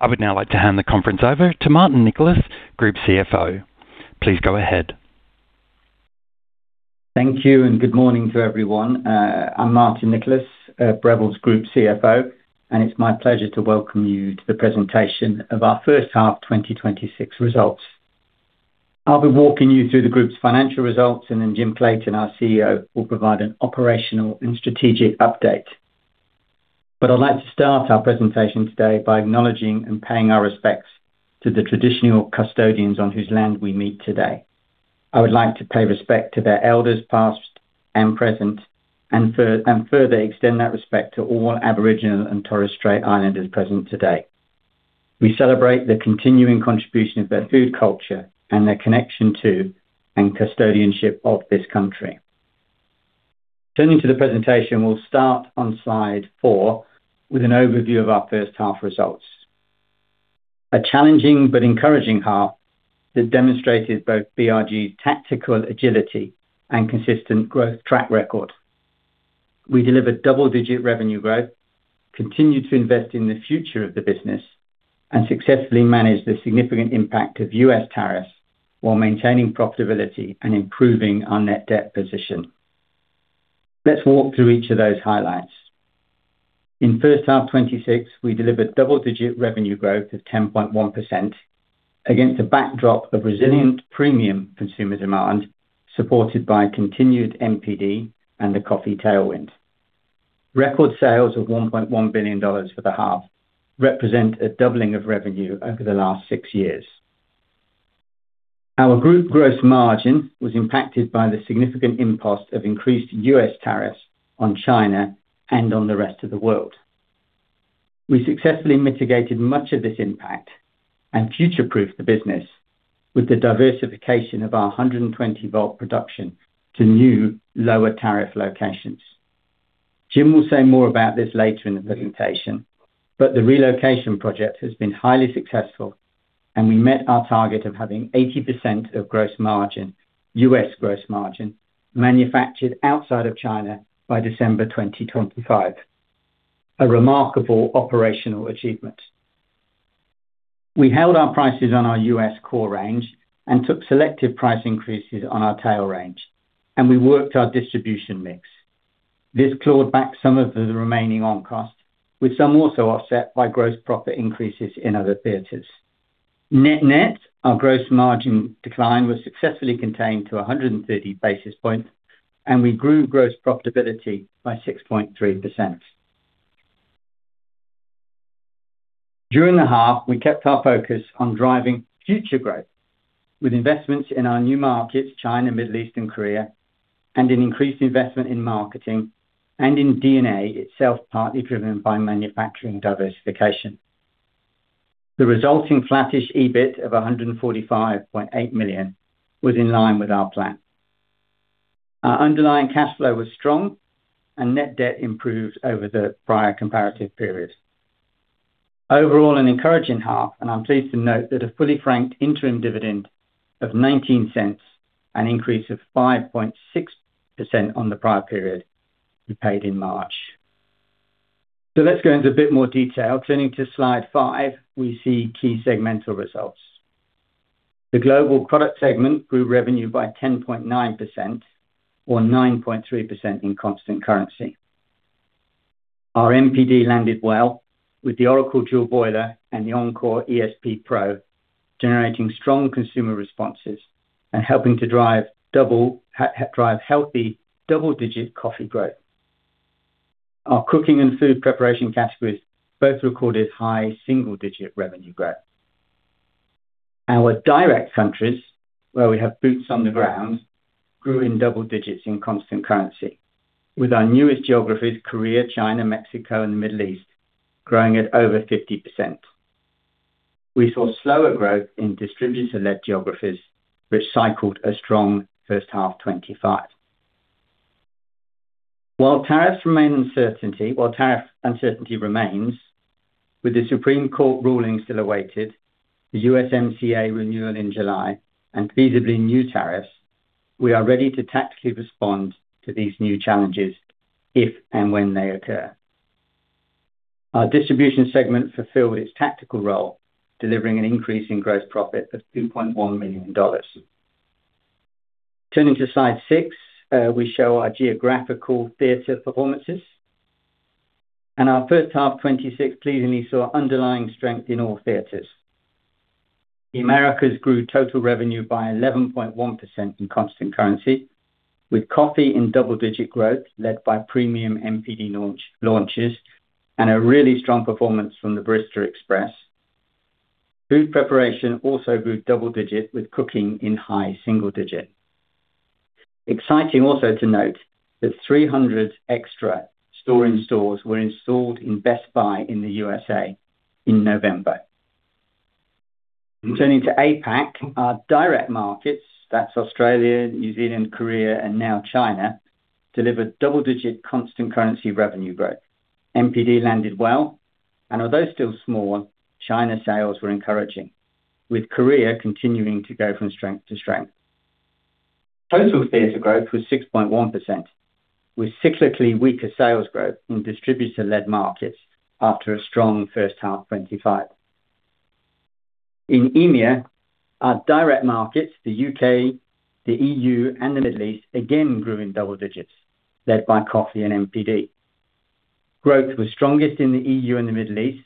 I would now like to hand the conference over to Martin Nicholas, Group CFO. Please go ahead. Thank you, and good morning to everyone. I'm Martin Nicholas, Breville's Group CFO, and it's my pleasure to welcome you to the presentation of our first half 2026 results. I'll be walking you through the group's financial results, and then Jim Clayton, our CEO, will provide an operational and strategic update. I'd like to start our presentation today by acknowledging and paying our respects to the traditional custodians on whose land we meet today. I would like to pay respect to their elders past and present, and further extend that respect to all Aboriginal and Torres Strait Islanders present today. We celebrate the continuing contribution of their food culture and their connection to and custodianship of this country. Turning to the presentation, we'll start on slide four with an overview of our first half results. A challenging but encouraging half that demonstrated both BRG's tactical agility and consistent growth track record. We delivered double-digit revenue growth, continued to invest in the future of the business, and successfully managed the significant impact of U.S. tariffs while maintaining profitability and improving our net debt position. Let's walk through each of those highlights. In first half 2026, we delivered double-digit revenue growth of 10.1% against a backdrop of resilient premium consumer demand supported by continued MPD and the coffee tailwind. Record sales of 1.1 billion dollars for the half represent a doubling of revenue over the last six years. Our group gross margin was impacted by the significant impost of increased U.S. tariffs on China and on the rest of the world. We successfully mitigated much of this impact and future-proofed the business with the diversification of our 120-volt production to new lower tariff locations. Jim will say more about this later in the presentation, but the relocation project has been highly successful, and we met our target of having 80% of gross margin, U.S. gross margin, manufactured outside of China by December 2025. A remarkable operational achievement. We held our prices on our U.S. core range and took selective price increases on our tail range, and we worked our distribution mix. This clawed back some of the remaining on-cost, with some also offset by gross profit increases in other theaters. Net-net, our gross margin decline was successfully contained to 130 basis points, and we grew gross profitability by 6.3%. During the half, we kept our focus on driving future growth with investments in our new markets, China, Middle East, and Korea, and in increased investment in marketing and in D&A itself, partly driven by manufacturing diversification. The resulting flattish EBIT of 145.8 million was in line with our plan. Our underlying cash flow was strong, and net debt improved over the prior comparative period. Overall, an encouraging half, and I'm pleased to note that a fully franked interim dividend of 0.19 and an increase of 5.6% on the prior period we paid in March. So let's go into a bit more detail. Turning to slide five, we see key segmental results. The global product segment grew revenue by 10.9% or 9.3% in constant currency. Our MPD landed well, with the Oracle Dual Boiler and the Encore ESP Pro generating strong consumer responses and helping to drive healthy double-digit coffee growth. Our cooking and food preparation categories both recorded high single-digit revenue growth. Our direct countries, where we have boots on the ground, grew in double digits in constant currency, with our newest geographies, Korea, China, Mexico, and the Middle East, growing at over 50%. We saw slower growth in distributor-led geographies, which cycled a strong first half 2025. While tariffs remain uncertainty, while tariff uncertainty remains, with the Supreme Court ruling still awaited, the USMCA renewal in July, and feasibly new tariffs, we are ready to tactically respond to these new challenges if and when they occur. Our distribution segment fulfilled its tactical role, delivering an increase in gross profit of AUD 2.1 million. Turning to slide six, we show our geographical theater performances. Our first half 2026 pleasingly saw underlying strength in all theaters. Americas grew total revenue by 11.1% in constant currency, with coffee in double-digit growth led by premium MPD launches and a really strong performance from the Barista Express. Food preparation also grew double-digit, with cooking in high single-digit. Exciting also to note that 300 extra store-in-stores were installed in Best Buy in the U.S.A. in November. Turning to APAC, our direct markets, that's Australia, New Zealand, Korea, and now China, delivered double-digit constant currency revenue growth. MPD landed well, and although still small, China sales were encouraging, with Korea continuing to go from strength to strength. Total theater growth was 6.1%, with cyclically weaker sales growth in distributor-led markets after a strong first half 2025. In EMEA, our direct markets, the U.K., the E.U., and the Middle East, again grew in double digits, led by coffee and MPD. Growth was strongest in the E.U. and the Middle East,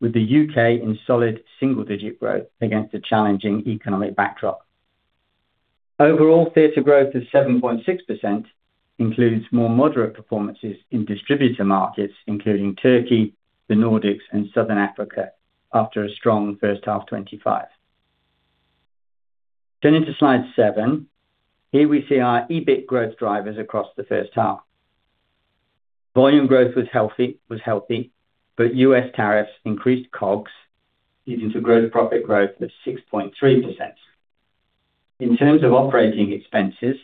with the U.K. in solid single-digit growth against a challenging economic backdrop. Overall theater growth of 7.6% includes more moderate performances in distributor markets, including Turkey, the Nordics, and Southern Africa, after a strong first half 2025. Turning to slide seven, here we see our EBIT growth drivers across the first half. Volume growth was healthy, but U.S. tariffs increased COGS, leading to gross profit growth of 6.3%. In terms of operating expenses,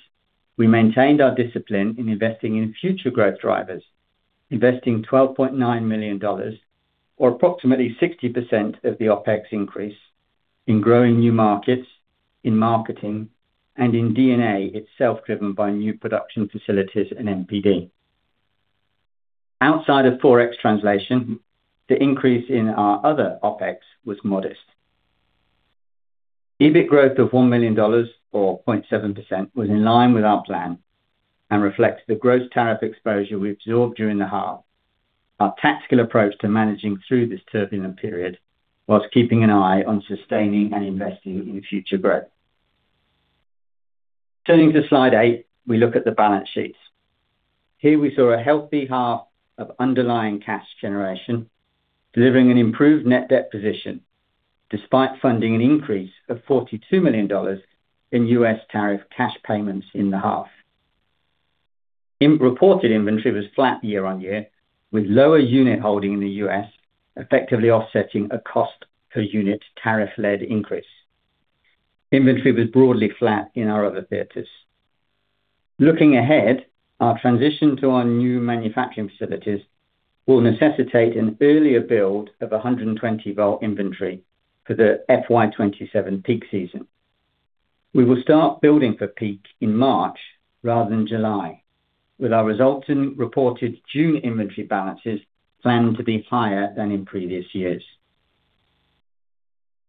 we maintained our discipline in investing in future growth drivers, investing 12.9 million dollars, or approximately 60% of the OpEx increase, in growing new markets, in marketing, and in D&A itself driven by new production facilities and MPD. Outside of forex translation, the increase in our other OpEx was modest. EBIT growth of 1 million dollars, or 0.7%, was in line with our plan and reflected the gross tariff exposure we absorbed during the half, our tactical approach to managing through this turbulent period while keeping an eye on sustaining and investing in future growth. Turning to slide eight, we look at the balance sheets. Here we saw a healthy half of underlying cash generation, delivering an improved net debt position despite funding an increase of $42 million in U.S. tariff cash payments in the half. Reported inventory was flat year-on-year, with lower unit holding in the U.S. effectively offsetting a cost-per-unit tariff-led increase. Inventory was broadly flat in our other theaters. Looking ahead, our transition to our new manufacturing facilities will necessitate an earlier build of 120-volt inventory for the FY 2027 peak season. We will start building for peak in March rather than July, with our resulting reported June inventory balances planned to be higher than in previous years.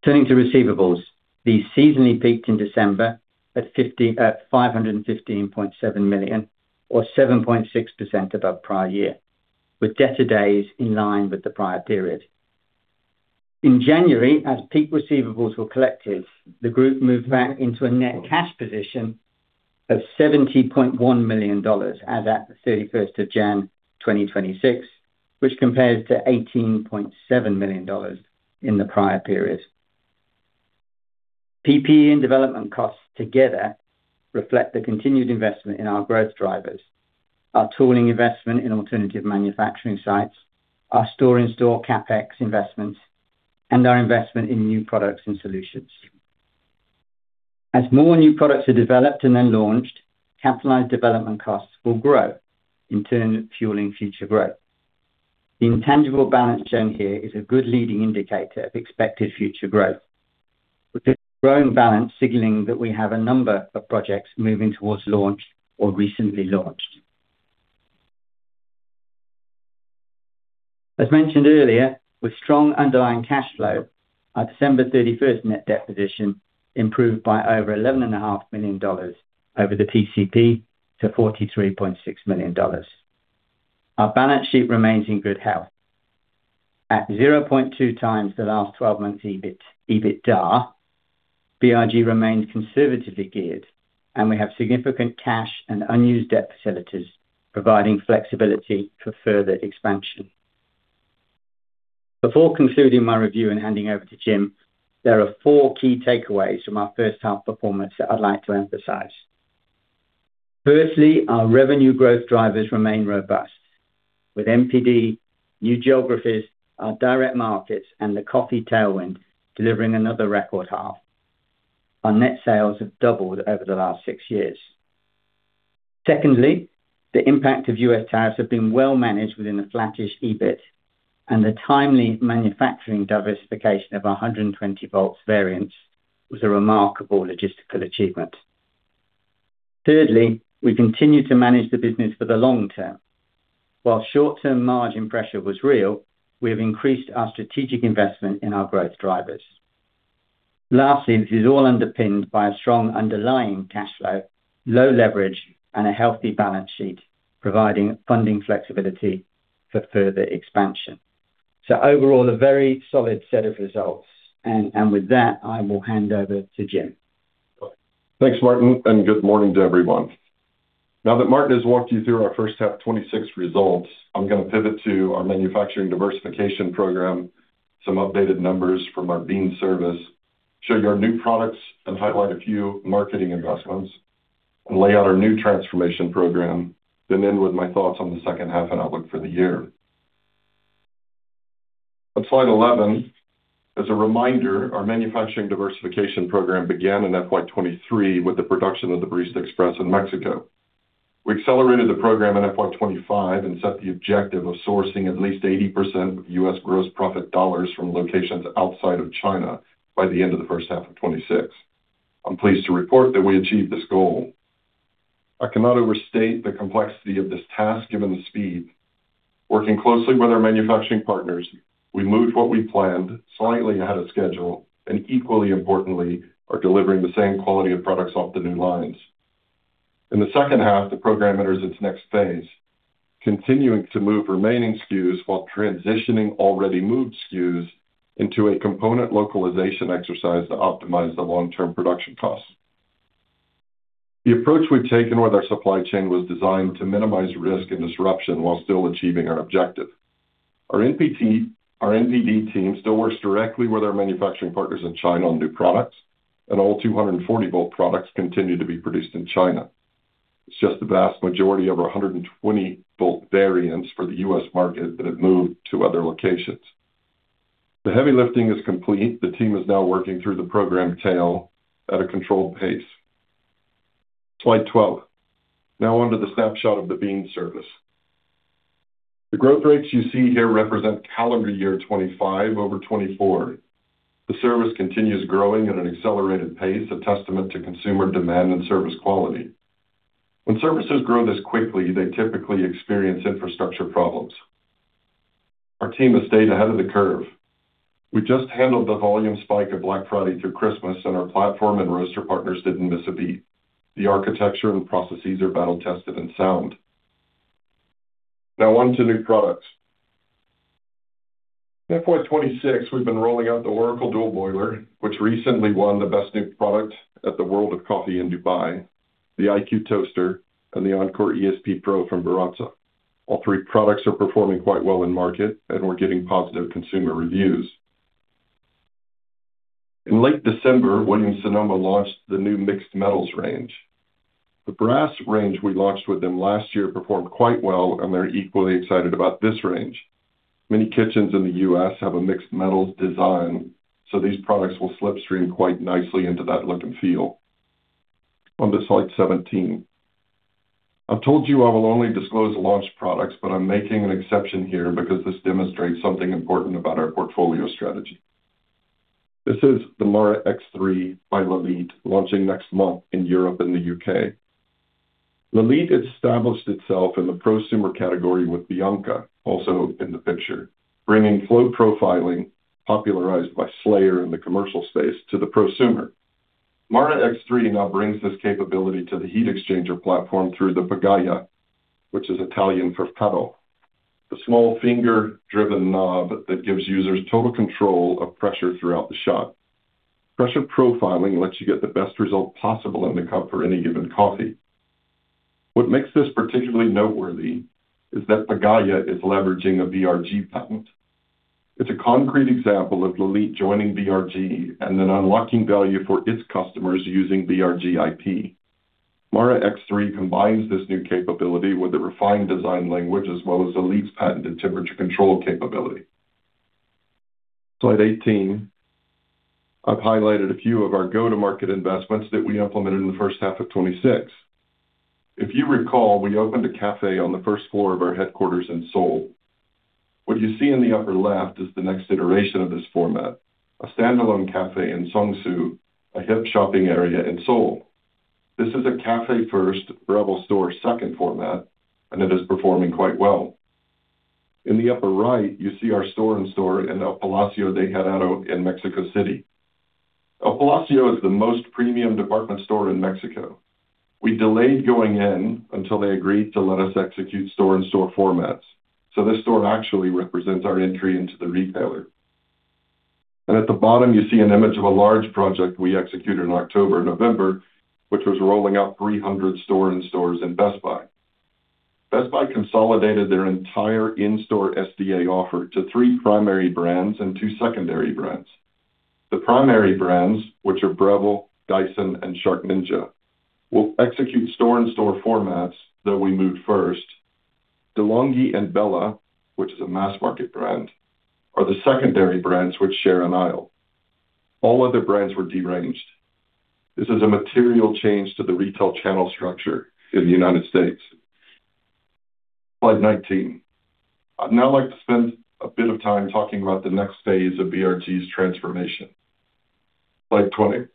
Turning to receivables, these seasonally peaked in December at 515.7 million, or 7.6% above prior year, with debtor days in line with the prior period. In January, as peak receivables were collected, the group moved back into a net cash position of 70.1 million dollars as at the 31st of Jan 2026, which compares to 18.7 million dollars in the prior period. PPE and development costs together reflect the continued investment in our growth drivers, our tooling investment in alternative manufacturing sites, our store-in-store CapEx investments, and our investment in new products and solutions. As more new products are developed and then launched, capitalized development costs will grow, in turn fueling future growth. The intangible balance shown here is a good leading indicator of expected future growth, with a growing balance signaling that we have a number of projects moving towards launch or recently launched. As mentioned earlier, with strong underlying cash flow, our December 31st net debt position improved by over 11.5 million dollars over the TCP to 43.6 million dollars. Our balance sheet remains in good health. At 0.2x the last 12 months' EBITDA, BRG remains conservatively geared, and we have significant cash and unused debt facilities providing flexibility for further expansion. Before concluding my review and handing over to Jim, there are four key takeaways from our first half performance that I'd like to emphasize. Firstly, our revenue growth drivers remain robust, with MPD, new geographies, our direct markets, and the coffee tailwind delivering another record half. Our net sales have doubled over the last six years. Secondly, the impact of U.S. tariffs has been well managed within the flattish EBIT, and the timely manufacturing diversification of our 120-volt variants was a remarkable logistical achievement. Thirdly, we continue to manage the business for the long term. While short-term margin pressure was real, we have increased our strategic investment in our growth drivers. Lastly, this is all underpinned by a strong underlying cash flow, low leverage, and a healthy balance sheet providing funding flexibility for further expansion. So overall, a very solid set of results. And with that, I will hand over to Jim. Thanks, Martin, and good morning to everyone. Now that Martin has walked you through our first half 2026 results, I'm going to pivot to our manufacturing diversification program, some updated numbers from our Beanz service, show you our new products and highlight a few marketing investments, and lay out our new transformation program, then end with my thoughts on the second half and outlook for the year. On slide 11, as a reminder, our manufacturing diversification program began in FY 2023 with the production of the Barista Express in Mexico. We accelerated the program in FY 2025 and set the objective of sourcing at least 80% U.S. gross profit dollars from locations outside of China by the end of the first half of 2026. I'm pleased to report that we achieved this goal. I cannot overstate the complexity of this task given the speed. Working closely with our manufacturing partners, we moved what we planned slightly ahead of schedule and, equally importantly, are delivering the same quality of products off the new lines. In the second half, the program enters its next phase, continuing to move remaining SKUs while transitioning already moved SKUs into a component localization exercise to optimize the long-term production costs. The approach we've taken with our supply chain was designed to minimize risk and disruption while still achieving our objective. Our NPD team still works directly with our manufacturing partners in China on new products, and all 240-volt products continue to be produced in China. It's just the vast majority of our 120-volt variants for the U.S. market that have moved to other locations. The heavy lifting is complete. The team is now working through the program tail at a controlled pace. Slide 12. Now onto the snapshot of the Beanz service. The growth rates you see here represent calendar year 2025 over 2024. The service continues growing at an accelerated pace, a testament to consumer demand and service quality. When services grow this quickly, they typically experience infrastructure problems. Our team has stayed ahead of the curve. We just handled the volume spike of Black Friday through Christmas, and our platform and roaster partners didn't miss a beat. The architecture and processes are battle-tested and sound. Now onto new products. In FY 2026, we've been rolling out the Oracle Dual Boiler, which recently won the best new product at the World of Coffee in Dubai, the iQ Toaster, and the Encore ESP Pro from Baratza. All three products are performing quite well in market, and we're getting positive consumer reviews. In late December, Williams Sonoma launched the new mixed metals range. The brass range we launched with them last year performed quite well, and they're equally excited about this range. Many kitchens in the U.S. have a mixed metals design, so these products will slipstream quite nicely into that look and feel. Onto slide 17. I've told you I will only disclose launch products, but I'm making an exception here because this demonstrates something important about our portfolio strategy. This is the Mara X3 by LELIT launching next month in Europe and the U.K. LELIT has established itself in the Prosumer category with Bianca, also in the picture, bringing flow profiling, popularized by Slayer in the commercial space, to the Prosumer. Mara X3 now brings this capability to the heat exchanger platform through the Pagaya, which is Italian for paddle, the small finger-driven knob that gives users total control of pressure throughout the shot. Pressure profiling lets you get the best result possible in the cup for any given coffee. What makes this particularly noteworthy is that Pagaya is leveraging a BRG patent. It's a concrete example of LELIT joining BRG and then unlocking value for its customers using BRG IP. Mara X3 combines this new capability with the refined design language as well as LELIT's patented temperature control capability. Slide 18. I've highlighted a few of our go-to-market investments that we implemented in the first half of 2026. If you recall, we opened a cafe on the first floor of our headquarters in Seoul. What you see in the upper left is the next iteration of this format, a standalone cafe in Seongsu, a hip shopping area in Seoul. This is a cafe-first, Breville-store-second format, and it is performing quite well. In the upper right, you see our store-in-store in El Palacio de Hierro in Mexico City. El Palacio is the most premium department store in Mexico. We delayed going in until they agreed to let us execute store-in-store formats, so this store actually represents our entry into the retailer. At the bottom, you see an image of a large project we executed in October and November, which was rolling out 300 store-in-stores in Best Buy. Best Buy consolidated their entire in-store SDA offer to three primary brands and two secondary brands. The primary brands, which are Breville, Dyson, and SharkNinja, will execute store-in-store formats, though we moved first. De'Longhi and Bella, which is a mass-market brand, are the secondary brands which share an aisle. All other brands were de-ranged. This is a material change to the retail channel structure in the United States. Slide 19. I'd now like to spend a bit of time talking about the next phase of BRG's transformation. Slide 20.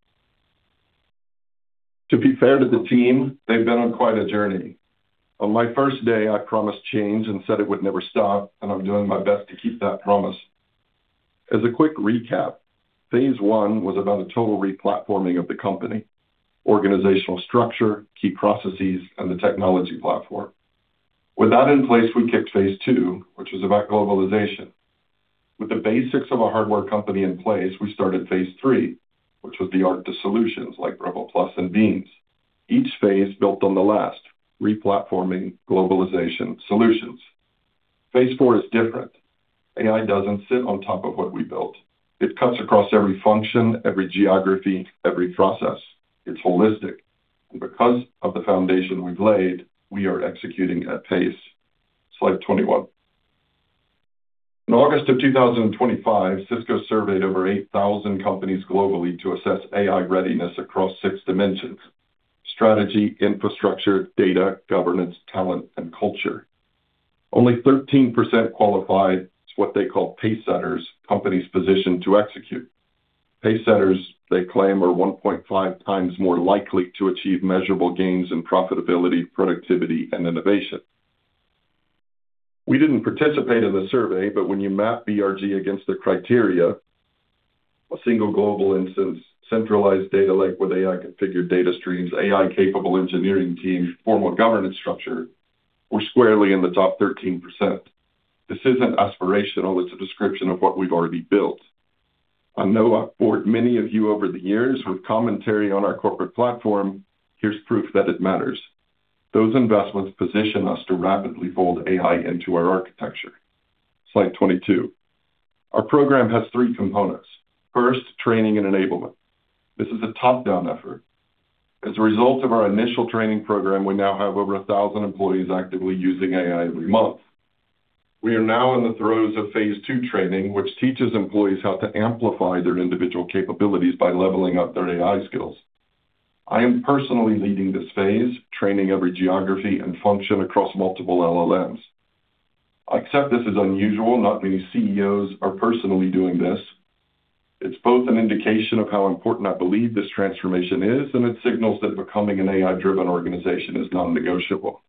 To be fair to the team, they've been on quite a journey. On my first day, I promised change and said it would never stop, and I'm doing my best to keep that promise. As a quick recap, phase one was about a total replatforming of the company, organizational structure, key processes, and the technology platform. With that in place, we kicked phase two, which was about globalization. With the basics of a hardware company in place, we started phase three, which was the art to solutions like Breville+ and Beanz, each phase built on the last, replatforming, globalization, solutions. Phase four is different. AI doesn't sit on top of what we built. It cuts across every function, every geography, every process. It's holistic. And because of the foundation we've laid, we are executing at pace. Slide 21. In August of 2025, Cisco surveyed over 8,000 companies globally to assess AI readiness across six dimensions: strategy, infrastructure, data, governance, talent, and culture. Only 13% qualified as what they call pace setters, companies positioned to execute. Pace setters, they claim, are 1.5x more likely to achieve measurable gains in profitability, productivity, and innovation. We didn't participate in the survey, but when you map BRG against the criteria, a single global instance, centralized data lake with AI-configured data streams, AI-capable engineering teams, formal governance structure, were squarely in the top 13%. This isn't aspirational. It's a description of what we've already built. I know I've bored many of you over the years with commentary on our corporate platform. Here's proof that it matters. Those investments position us to rapidly fold AI into our architecture. Slide 22. Our program has three components. First, training and enablement. This is a top-down effort. As a result of our initial training program, we now have over 1,000 employees actively using AI every month. We are now in the throes of phase two training, which teaches employees how to amplify their individual capabilities by leveling up their AI skills. I am personally leading this phase, training every geography and function across multiple LLMs. I accept this is unusual. Not many CEOs are personally doing this. It's both an indication of how important I believe this transformation is, and it signals that becoming an AI-driven organization is non-negotiable.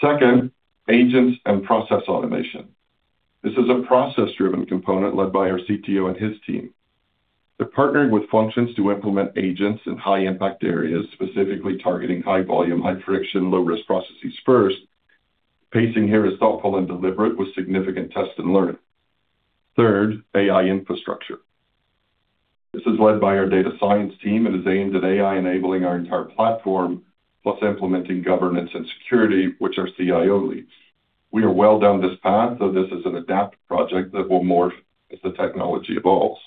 Second, agents and process automation. This is a process-driven component led by our CTO and his team. They're partnering with functions to implement agents in high-impact areas, specifically targeting high-volume, high-friction, low-risk processes first. Pacing here is thoughtful and deliberate with significant test and learn. Third, AI infrastructure. This is led by our data science team. It is aimed at AI enabling our entire platform, plus implementing governance and security, which our CIO leads. We are well down this path, though this is an adapt project that will morph as the technology evolves.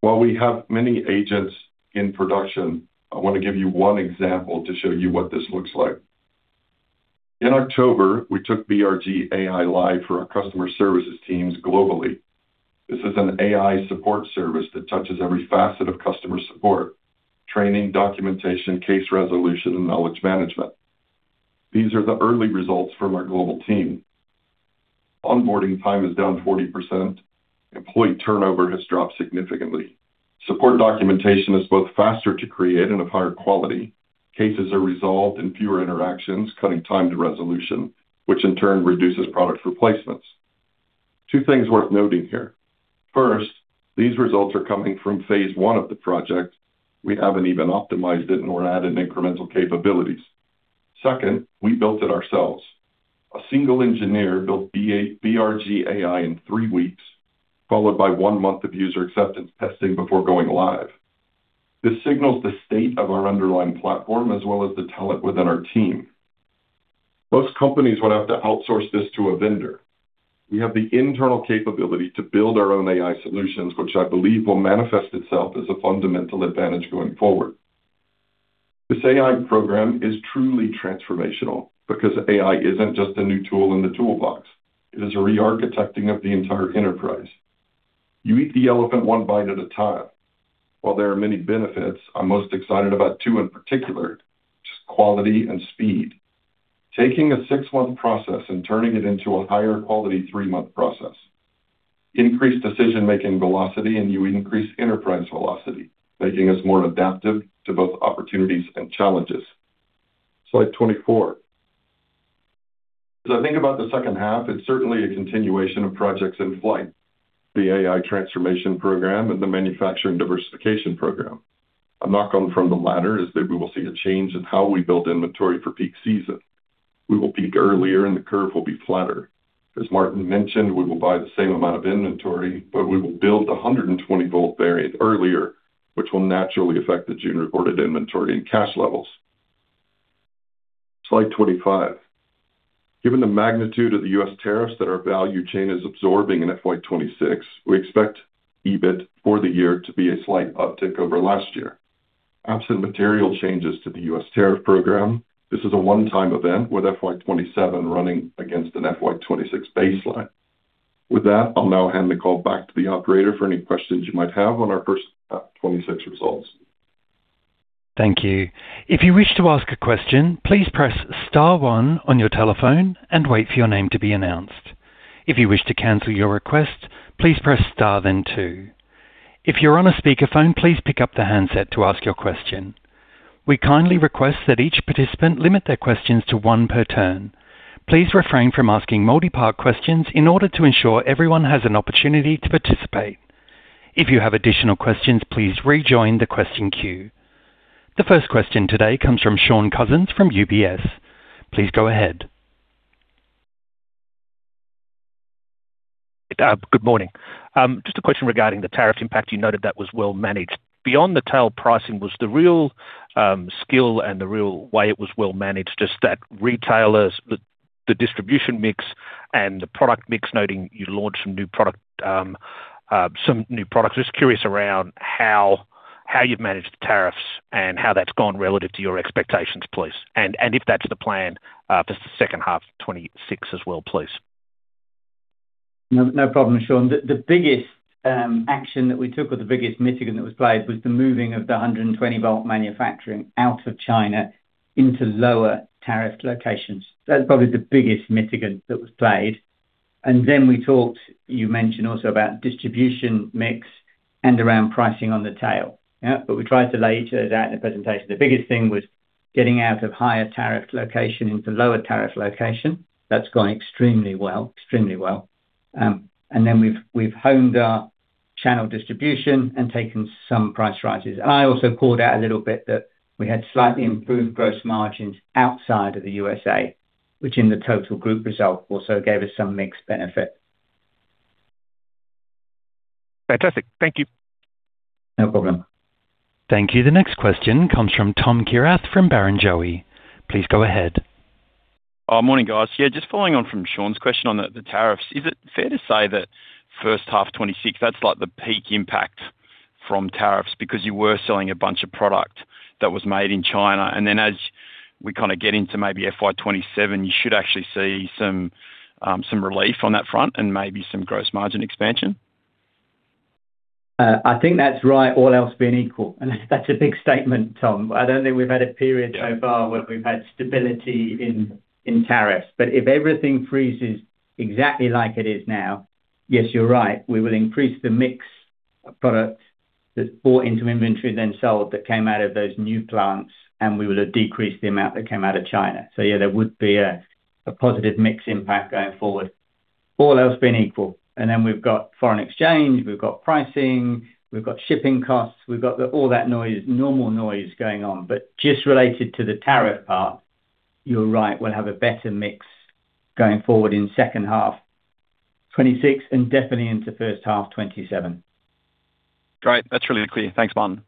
While we have many agents in production, I want to give you one example to show you what this looks like. In October, we took BRG AI live for our customer services teams globally. This is an AI support service that touches every facet of customer support: training, documentation, case resolution, and knowledge management. These are the early results from our global team. Onboarding time is down 40%. Employee turnover has dropped significantly. Support documentation is both faster to create and of higher quality. Cases are resolved in fewer interactions, cutting time to resolution, which in turn reduces product replacements. Two things worth noting here. First, these results are coming from phase one of the project. We haven't even optimized it nor added incremental capabilities. Second, we built it ourselves. A single engineer built BRG AI in three weeks, followed by one month of user acceptance testing before going live. This signals the state of our underlying platform as well as the talent within our team. Most companies would have to outsource this to a vendor. We have the internal capability to build our own AI solutions, which I believe will manifest itself as a fundamental advantage going forward. This AI program is truly transformational because AI isn't just a new tool in the toolbox. It is a re-architecting of the entire enterprise. You eat the elephant one bite at a time. While there are many benefits, I'm most excited about two in particular, just quality and speed: taking a six-month process and turning it into a higher-quality three-month process, increased decision-making velocity, and you increase enterprise velocity, making us more adaptive to both opportunities and challenges. Slide 24. As I think about the second half, it's certainly a continuation of projects in flight: the AI transformation program and the manufacturing diversification program. I'm focusing on the latter as we will see a change in how we build inventory for peak season. We will peak earlier, and the curve will be flatter. As Martin mentioned, we will buy the same amount of inventory, but we will build the 120-volt variant earlier, which will naturally affect the June reported inventory and cash levels. Slide 25. Given the magnitude of the U.S. tariffs that our value chain is absorbing in FY 2026, we expect EBIT for the year to be a slight uptick over last year. Absent material changes to the U.S. tariff program, this is a one-time event with FY 2027 running against an FY 2026 baseline. With that, I'll now hand the call back to the operator for any questions you might have on our first half 2026 results. Thank you. If you wish to ask a question, please press star one on your telephone and wait for your name to be announced. If you wish to cancel your request, please press star then two. If you're on a speakerphone, please pick up the handset to ask your question. We kindly request that each participant limit their questions to one per turn. Please refrain from asking multi-part questions in order to ensure everyone has an opportunity to participate. If you have additional questions, please rejoin the question queue. The first question today comes from Sean Cousins from UBS. Please go ahead. Good morning. Just a question regarding the tariff impact. You noted that was well managed. Beyond the tail pricing, was the real skill and the real way it was well managed, just that retailer, the distribution mix, and the product mix noting you launched some new products? Just curious around how you've managed the tariffs and how that's gone relative to your expectations, please. And if that's the plan for the second half 2026 as well, please. No problem, Sean. The biggest action that we took or the biggest mitigant that was played was the moving of the 120-volt manufacturing out of China into lower-tariffed locations. That's probably the biggest mitigant that was played. And then we talked, you mentioned also, about distribution mix and around pricing on the tail. But we tried to lay each of those out in the presentation. The biggest thing was getting out of higher-tariff location into lower-tariff location. That's gone extremely well, extremely well. And then we've honed our channel distribution and taken some price rises. And I also called out a little bit that we had slightly improved gross margins outside of the U.S.A., which in the total group result also gave us some mixed benefit. Fantastic. Thank you. No problem. Thank you. The next question comes from Tom Kierath from Barrenjoey. Please go ahead. Morning, guys. Yeah, just following on from Sean's question on the tariffs. Is it fair to say that first half 2026, that's the peak impact from tariffs because you were selling a bunch of product that was made in China? And then as we kind of get into maybe FY 2027, you should actually see some relief on that front and maybe some gross margin expansion? I think that's right. All else being equal. And that's a big statement, Tom. I don't think we've had a period so far where we've had stability in tariffs. But if everything freezes exactly like it is now, yes, you're right. We will increase the mix of product that's brought into inventory, then sold, that came out of those new plants, and we will have decreased the amount that came out of China. So yeah, there would be a positive mix impact going forward. All else being equal. And then we've got foreign exchange. We've got pricing. We've got shipping costs. We've got all that normal noise going on. But just related to the tariff part, you're right. We'll have a better mix going forward in second half 2026 and definitely into first half 2027. Great. That's really clear. Thanks, Martin.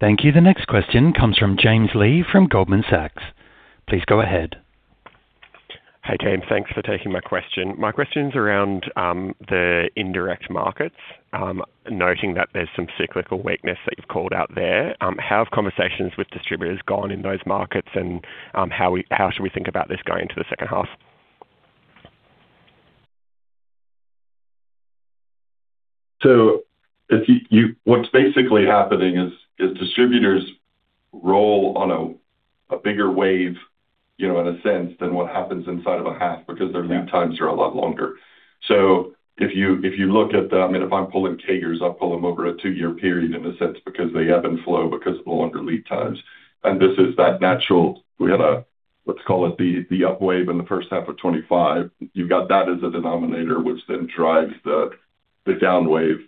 Thank you. The next question comes from James Leigh from Goldman Sachs. Please go ahead. Hey, team. Thanks for taking my question. My question's around the indirect markets, noting that there's some cyclical weakness that you've called out there. How have conversations with distributors gone in those markets, and how should we think about this going into the second half? So what's basically happening is distributors roll on a bigger wave, in a sense, than what happens inside of a half because their lead times are a lot longer. So if you look at the, I mean, if I'm pulling Kagers, I pull them over a two-year period, in a sense, because they ebb and flow because of the longer lead times. This is that natural. We had a, let's call it, the upwave in the first half of 2025. You've got that as a denominator, which then drives the downwave.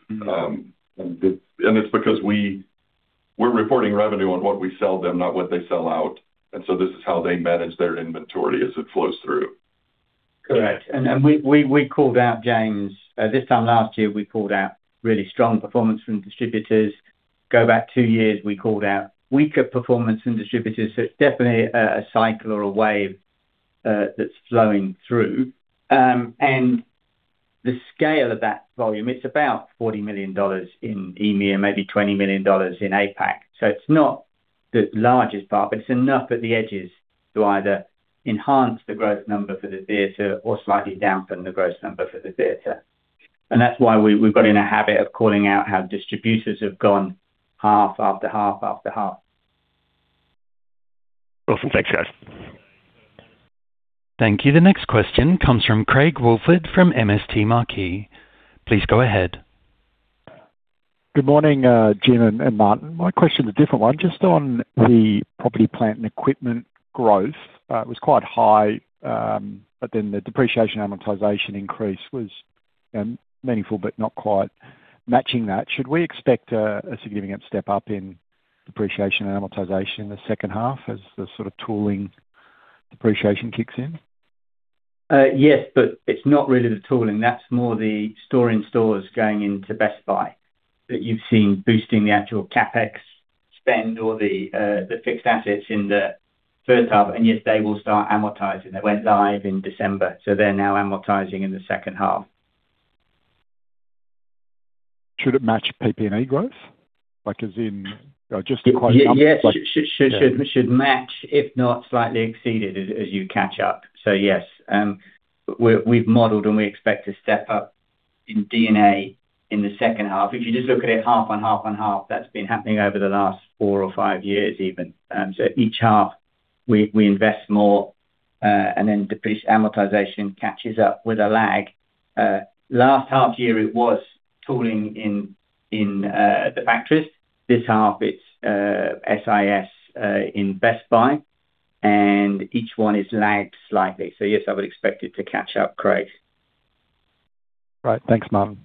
It's because we're reporting revenue on what we sell them, not what they sell out. So this is how they manage their inventory as it flows through. Correct. We called out, James, this time last year, we called out really strong performance from distributors. Go back two years, we called out weaker performance from distributors. So it's definitely a cycle or a wave that's flowing through. And the scale of that volume, it's about 40 million dollars in EMEA and maybe 20 million dollars in APAC. So it's not the largest part, but it's enough at the edges to either enhance the growth number for the theater or slightly dampen the growth number for the theater. And that's why we've gotten in a habit of calling out how distributors have gone half after half after half. Awesome. Thanks, guys. Thank you. The next question comes from Craig Woolford from MST Marquee. Please go ahead. Good morning, Jim and Martin. My question's a different one, just on the property, plant, and equipment growth. It was quite high, but then the depreciation amortization increase was meaningful but not quite matching that. Should we expect a significant step up in depreciation and amortization in the second half as the sort of tooling depreciation kicks in? Yes, but it's not really the tooling. That's more the store-in-stores going into Best Buy. That you've seen boosting the actual CapEx spend or the fixed assets in the first half. And yes, they will start amortizing. They went live in December. So they're now amortizing in the second half. Should it match PP&E growth? As in just a quite numbers? Yes, should match, if not slightly exceeded, as you catch up. So yes, we've modeled, and we expect a step up in D&A in the second half. If you just look at it half on half on half, that's been happening over the last four or five years even. So each half, we invest more, and then amortization catches up with a lag. Last half year, it was tooling in the factories. This half, it's SIS in Best Buy. And each one is lagged slightly. So yes, I would expect it to catch up, Craig. Right. Thanks, Martin.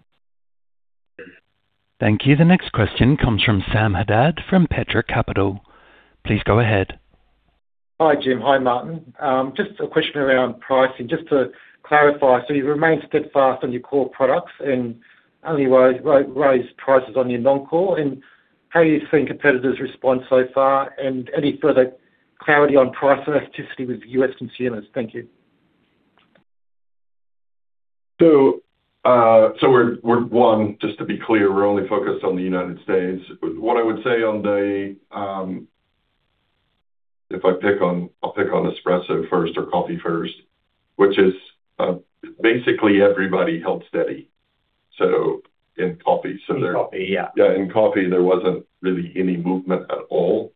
Thank you. The next question comes from Sam Haddad from Petra Capital. Please go ahead. Hi, Jim. Hi, Martin. Just a question around pricing. Just to clarify, so you remain steadfast on your core products and only raise prices on your non-core. And how do you think competitors respond so far? And any further clarity on price elasticity with U.S. consumers? Thank you. So one, just to be clear, we're only focused on the United States. What I would say, if I pick on espresso first or coffee first, which is basically everybody held steady in coffee. So they're. In coffee, yeah. Yeah. In coffee, there wasn't really any movement at all.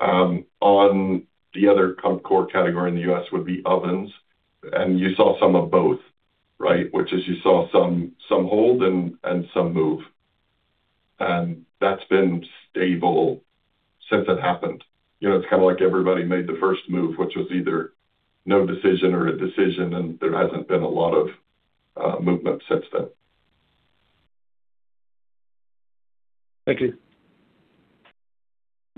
On the other core category in the U.S. would be ovens. And you saw some of both, right, which is you saw some hold and some move. And that's been stable since it happened. It's kind of like everybody made the first move, which was either no decision or a decision, and there hasn't been a lot of movement since then. Thank you.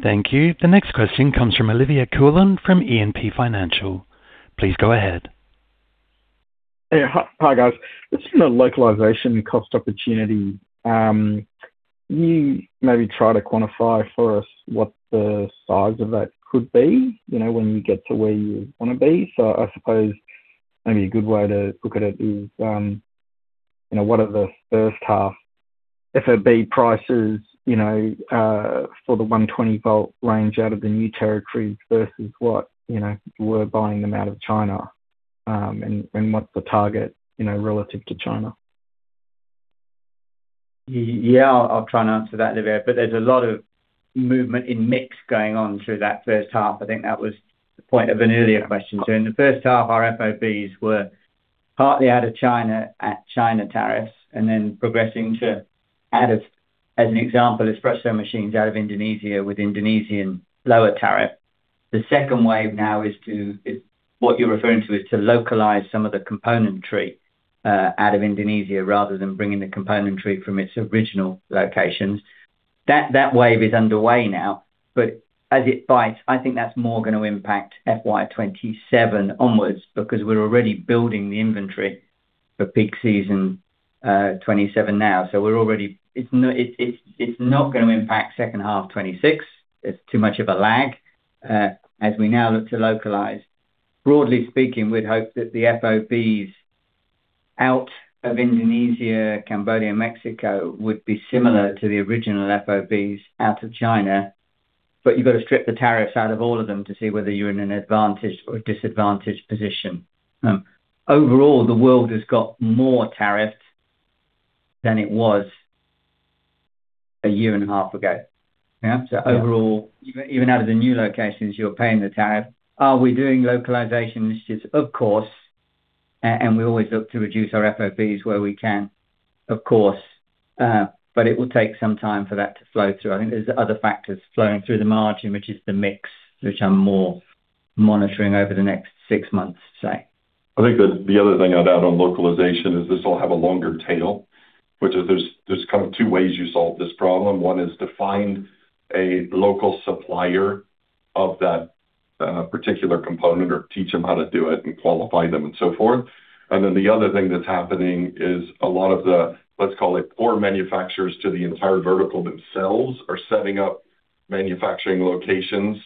Thank you. The next question comes from Olivier Coulon from E&P Financial. Please go ahead. Hi, guys. Just a localization cost opportunity. Can you maybe try to quantify for us what the size of that could be when you get to where you want to be? So I suppose maybe a good way to look at it is what are the first half FOB prices for the 120-volt range out of the new territories versus what if we're buying them out of China? And what's the target relative to China? Yeah, I'll try and answer that, Olivia. But there's a lot of movement in mix going on through that first half. I think that was the point of an earlier question. So in the first half, our FOBs were partly out of China at China tariffs and then progressing to out of, as an example, espresso machines out of Indonesia with Indonesian lower tariff. The second wave now is to what you're referring to is to localize some of the componentry out of Indonesia rather than bringing the componentry from its original locations. That wave is underway now. But as it bites, I think that's more going to impact FY 2027 onwards because we're already building the inventory for peak season 2027 now. So it's not going to impact second half 2026. It's too much of a lag as we now look to localize. Broadly speaking, we'd hope that the FOBs out of Indonesia, Cambodia, and Mexico would be similar to the original FOBs out of China. But you've got to strip the tariffs out of all of them to see whether you're in an advantaged or disadvantaged position. Overall, the world has got more tariffs than it was a year and a half ago. So overall, even out of the new locations, you're paying the tariff. Are we doing localization initiatives? Of course. And we always look to reduce our FOBs where we can, of course. But it will take some time for that to flow through. I think there's other factors flowing through the margin, which is the mix, which I'm more monitoring over the next six months, say. I think the other thing I'd add on localization is this will have a longer tail, which is, there's kind of two ways you solve this problem. One is to find a local supplier of that particular component or teach them how to do it and qualify them and so forth. And then the other thing that's happening is a lot of the, let's call it, core manufacturers to the entire vertical themselves are setting up manufacturing locations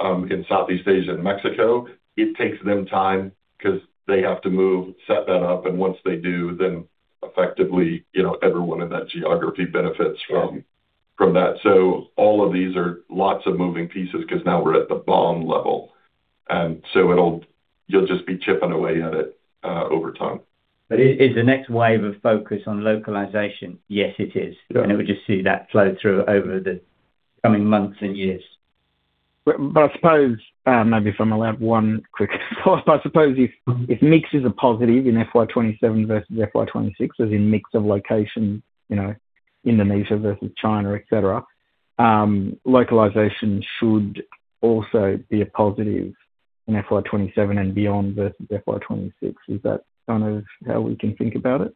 in Southeast Asia and Mexico. It takes them time because they have to move, set that up. And once they do, then effectively, everyone in that geography benefits from that. So all of these are lots of moving pieces because now we're at the BOM level. And so you'll just be chipping away at it over time. But is the next wave of focus on localization? Yes, it is. It will just see that flow through over the coming months and years. But I suppose maybe if I may allow one quick thought. But I suppose if mix is a positive in FY 2027 versus FY 2026, as in mix of locations, Indonesia versus China, etc., localization should also be a positive in FY 2027 and beyond versus FY 2026. Is that kind of how we can think about it?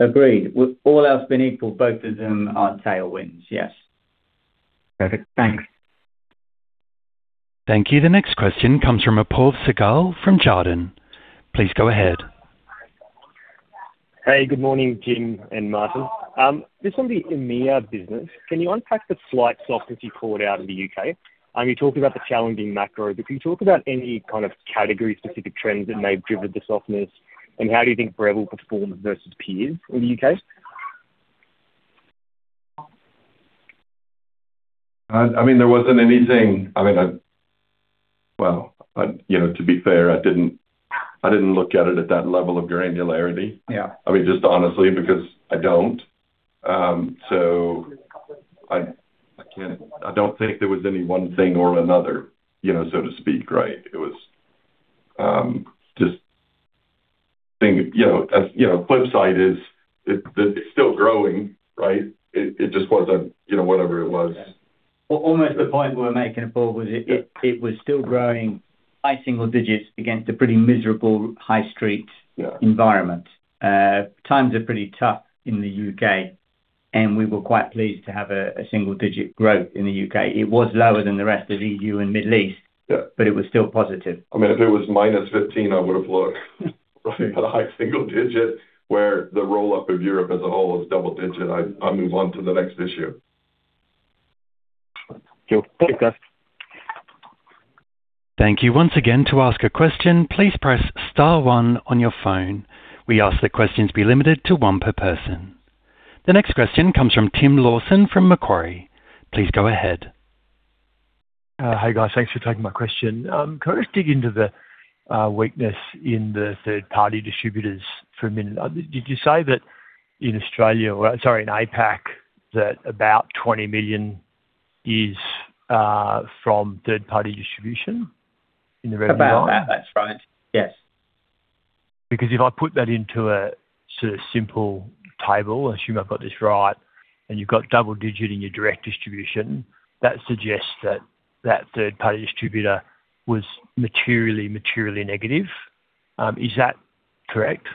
Agreed. All else being equal, both of them are tailwinds, yes. Perfect. Thanks. Thank you. The next question comes from Apoorv Sehgal from Jarden. Please go ahead. Hey, good morning, Jim and Martin. Just on the EMEA business, can you unpack the slight softness you called out in the U.K.? You talked about the challenging macro, but can you talk about any kind of category-specific trends that may have driven the softness? And how do you think Breville performed versus peers in the U.K.? I mean, there wasn't anything. I mean, well, to be fair, I didn't look at it at that level of granularity. I mean, just honestly, because I don't. So I don't think there was any one thing or another, so to speak, right? It was just thinking as flip side is it's still growing, right? It just wasn't whatever it was. Almost the point we were making, Apoorv, was it was still growing high single digits against a pretty miserable high street environment. Times are pretty tough in the U.K., and we were quite pleased to have a single-digit growth in the U.K. It was lower than the rest of the E.U. and Middle East, but it was still positive. I mean, if it was -15, I would have looked at a high single-digit where the roll-up of Europe as a whole was double-digit. I move on to the next issue. Jim, thank you, guys. Thank you. Once again, to ask a question, please press star one on your phone. We ask that questions be limited to one per person. The next question comes from Tim Lawson from Macquarie. Please go ahead. Hey, guys. Thanks for taking my question. Can I just dig into the weakness in the third-party distributors for a minute? Did you say that in Australia or, sorry, in APAC, that about 20 million is from third-party distribution in the Breville line? About that. That's right. Yes. Because if I put that into a sort of simple table, assume I've got this right, and you've got double-digit in your direct distribution, that suggests that that third-party distributor was materially, materially negative. Is that correct?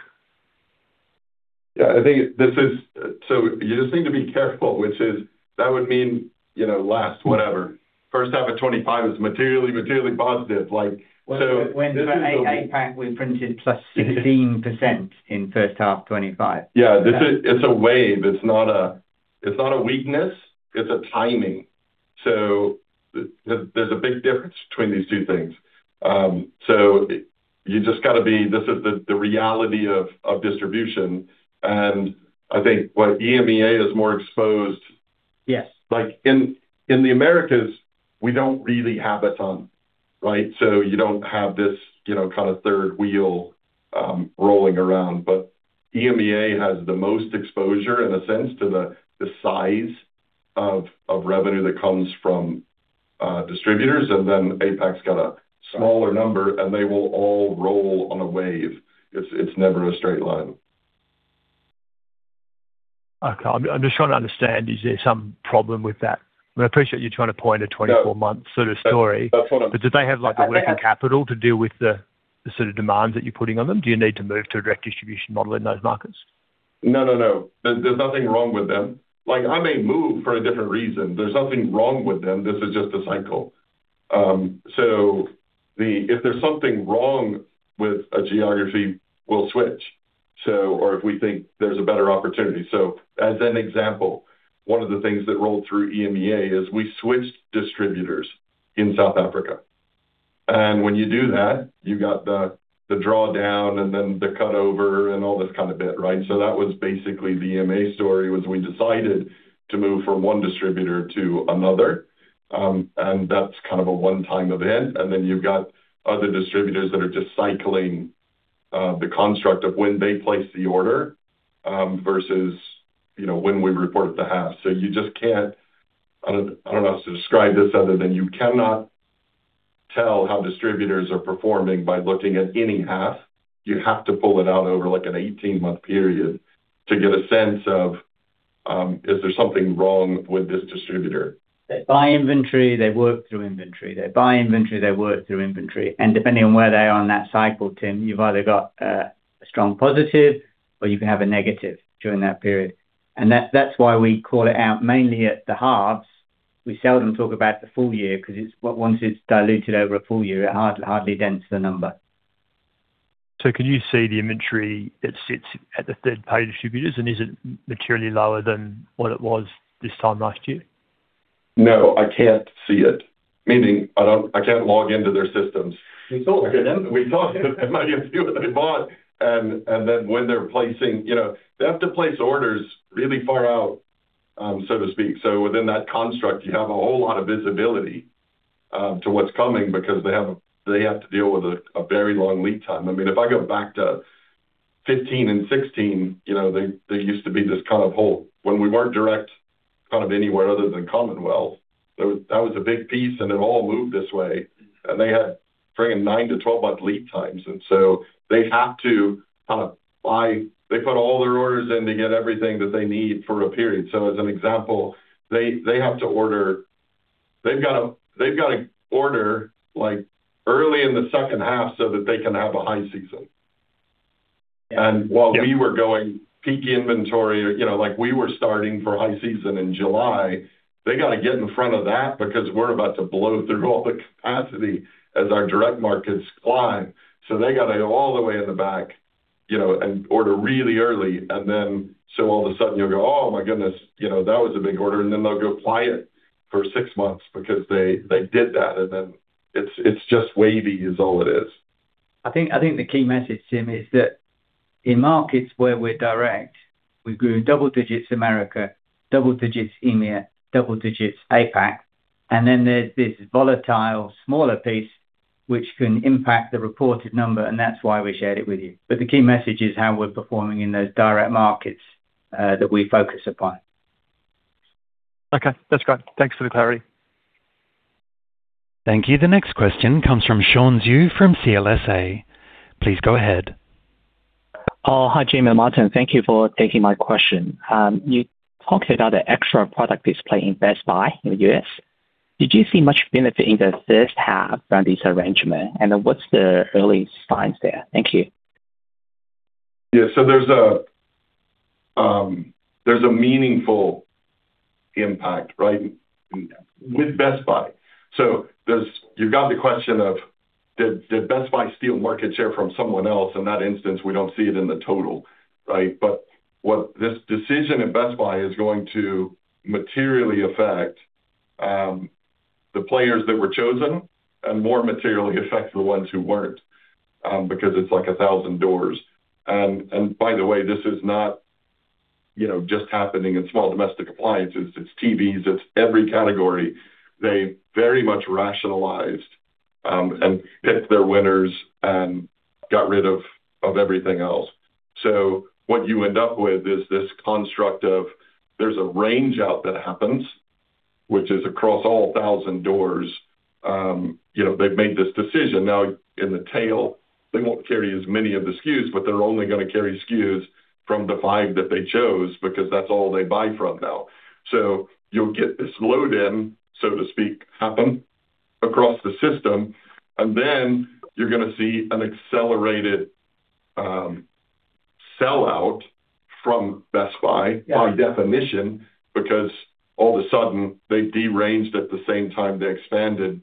Yeah. I think this is so you just need to be careful, which is that would mean last, whatever. First half of 2025 is materially, materially positive. So. When for APAC, we printed +16% in first half 2025. Yeah. It's a wave. It's not a weakness. It's a timing. So there's a big difference between these two things. So you just got to be this is the reality of distribution. And I think what EMEA is more exposed in the Americas, we don't really have a ton, right? So you don't have this kind of third wheel rolling around. But EMEA has the most exposure, in a sense, to the size of revenue that comes from distributors. And then APAC's got a smaller number, and they will all roll on a wave. It's never a straight line. Okay. I'm just trying to understand. Is there some problem with that? I mean, I appreciate you trying to point a 24-month sort of story. That's what I'm. But do they have the working capital to deal with the sort of demands that you're putting on them? Do you need to move to a direct distribution model in those markets? No, no, no. There's nothing wrong with them. I may move for a different reason. There's nothing wrong with them. This is just a cycle. So if there's something wrong with a geography, we'll switch, or if we think there's a better opportunity. So as an example, one of the things that rolled through EMEA is we switched distributors in South Africa. And when you do that, you've got the drawdown and then the cutover and all this kind of bit, right? So that was basically the EMEA story, was we decided to move from one distributor to another. And that's kind of a one-time event. And then you've got other distributors that are just cycling the construct of when they place the order versus when we report the halves. I don't know how to describe this other than you cannot tell how distributors are performing by looking at any half. You have to pull it out over an 18-month period to get a sense of, "Is there something wrong with this distributor? They buy inventory. They work through inventory. They buy inventory. They work through inventory. And depending on where they are in that cycle, Tim, you've either got a strong positive or you can have a negative during that period. And that's why we call it out mainly at the halves. We seldom talk about the full year because once it's diluted over a full year, it hardly dents the number. Can you see the inventory that sits at the third-party distributors? Is it materially lower than what it was this time last year? No. I can't see it, meaning I can't log into their systems. We talked to them. We talked to them. I didn't see what they bought. And then when they're placing, they have to place orders really far out, so to speak. So within that construct, you have a whole lot of visibility to what's coming because they have to deal with a very long lead time. I mean, if I go back to 2015 and 2016, there used to be this kind of whole when we weren't direct kind of anywhere other than Commonwealth, that was a big piece, and it all moved this way. And they had frigging nine to 12-month lead times. And so they have to kind of buy; they put all their orders in to get everything that they need for a period. So as an example, they have to order; they've got to order early in the second half so that they can have a high season. And while we were going peak inventory we were starting for high season in July. They got to get in front of that because we're about to blow through all the capacity as our direct markets climb. So they got to go all the way in the back and order really early. And then so all of a sudden, you'll go, "Oh my goodness. That was a big order." And then they'll go play it for six months because they did that. And then it's just wavy is all it is. I think the key message, Tim, is that in markets where we're direct, we grew double digits America, double digits EMEA, double digits APAC. And then there's this volatile, smaller piece which can impact the reported number. And that's why we shared it with you. But the key message is how we're performing in those direct markets that we focus upon. Okay. That's great. Thanks for the clarity. Thank you. The next question comes from Shaun Zhu from CLSA. Please go ahead. Hi, Jim and Martin. Thank you for taking my question. You talked about the extra product display in Best Buy in the U.S. Did you see much benefit in the first half from this arrangement? And what's the earliest signs there? Thank you. Yeah. So there's a meaningful impact, right, with Best Buy. So you've got the question of, "Did Best Buy steal market share from someone else?" In that instance, we don't see it in the total, right? But this decision at Best Buy is going to materially affect the players that were chosen and more materially affect the ones who weren't because it's like 1,000 doors. And by the way, this is not just happening in small domestic appliances. It's TVs. It's every category. They very much rationalized and picked their winners and got rid of everything else. So what you end up with is this construct of there's a range out that happens, which is across all 1,000 doors. They've made this decision. Now, in the tail, they won't carry as many of the SKUs, but they're only going to carry SKUs from the five that they chose because that's all they buy from now. So you'll get this load-in, so to speak, happen across the system. And then you're going to see an accelerated sellout from Best Buy, by definition, because all of a sudden, they deranged at the same time they expanded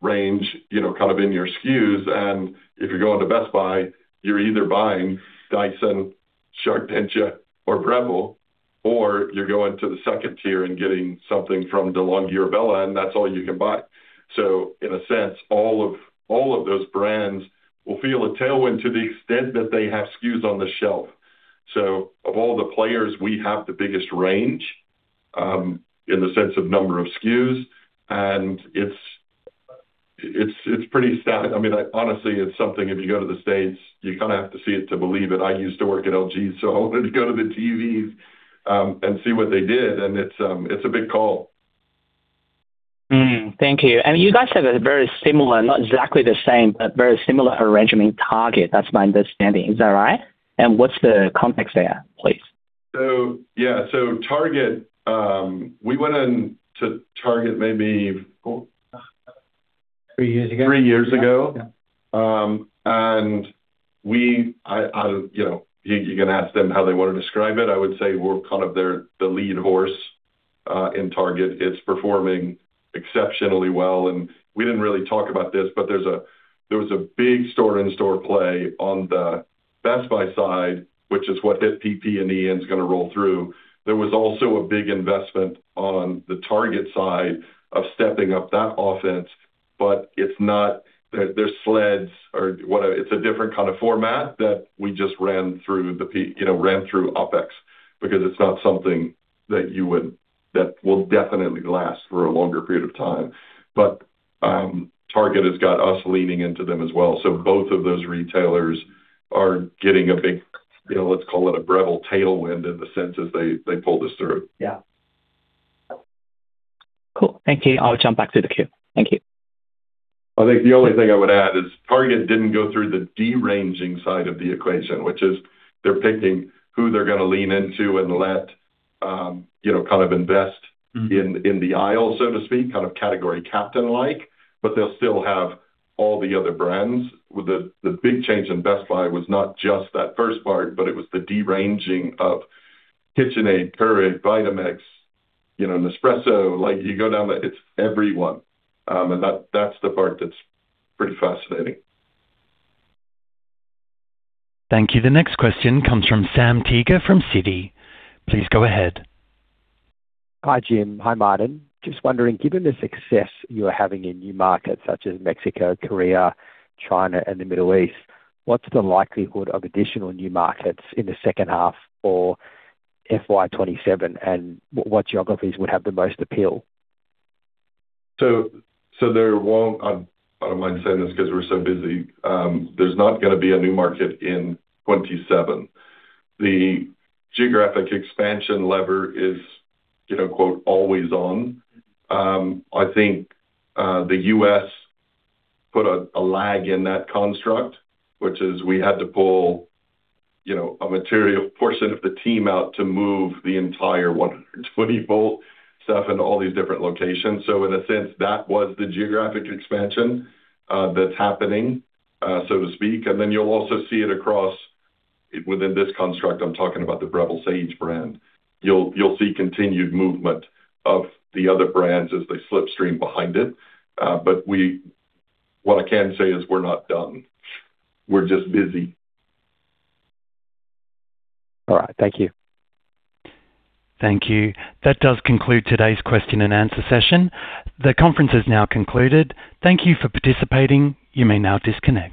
range kind of in your SKUs. And if you go into Best Buy, you're either buying Dyson, SharkNinja, or Breville, or you're going to the second tier and getting something from De'Longhi or Bella, and that's all you can buy. So in a sense, all of those brands will feel a tailwind to the extent that they have SKUs on the shelf. Of all the players, we have the biggest range in the sense of number of SKUs. It's pretty static. I mean, honestly, it's something if you go to the States, you kind of have to see it to believe it. I used to work at LG, so I wanted to go to the TVs and see what they did. It's a big call. Thank you. You guys have a very similar, not exactly the same, but very similar arrangement in Target. That's my understanding. Is that right? What's the context there, please? Yeah. So, Target, we went into Target maybe four. Three years ago. Three years ago. And you can ask them how they want to describe it. I would say we're kind of the lead horse in Target. It's performing exceptionally well. And we didn't really talk about this, but there was a big store-in-store play on the Best Buy side, which is what hit PP&E and going to roll through. There was also a big investment on the Target side of stepping up that offense, but there's sleds or whatever. It's a different kind of format that we just ran through OpEx because it's not something that will definitely last for a longer period of time. But Target has got us leaning into them as well. So both of those retailers are getting a big, let's call it, a Breville tailwind in the sense as they pull this through. Yeah. Cool. Thank you. I'll jump back to the queue. Thank you. I think the only thing I would add is Target didn't go through the deranging side of the equation, which is they're picking who they're going to lean into and let kind of invest in the aisle, so to speak, kind of category captain-like. But they'll still have all the other brands. The big change in Best Buy was not just that first part, but it was the deranging of KitchenAid, Keurig, Vitamix, Nespresso. You go down the it's everyone. And that's the part that's pretty fascinating. Thank you. The next question comes from Sam Teager from Citi. Please go ahead. Hi, Jim. Hi, Martin. Just wondering, given the success you are having in new markets such as Mexico, Korea, China, and the Middle East, what's the likelihood of additional new markets in the second half or FY 2027, and what geographies would have the most appeal? So, there won't. I don't mind saying this because we're so busy. There's not going to be a new market in 2027. The geographic expansion lever is "always on." I think the U.S. put a lag in that construct, which is we had to pull a material portion of the team out to move the entire 120-volt stuff into all these different locations. So in a sense, that was the geographic expansion that's happening, so to speak. And then you'll also see it across within this construct. I'm talking about the Breville Sage brand. You'll see continued movement of the other brands as they slipstream behind it. But what I can say is we're not done. We're just busy. All right. Thank you. Thank you. That does conclude today's question-and-answer session. The conference has now concluded. Thank you for participating. You may now disconnect.